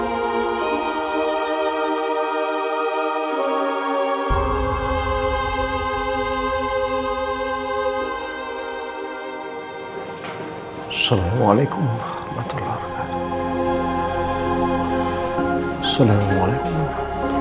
assalamualaikum warahmatullahi wabarakatuh